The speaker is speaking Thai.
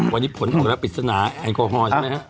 วันนี้ผลออกมาแล้วปริศนาแอลกอฮอล์ใช่ไหมครับ